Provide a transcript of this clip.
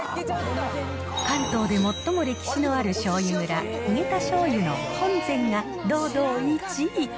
関東で最も歴史のある醤油蔵、ヒゲタしょうゆの本膳が堂々１位。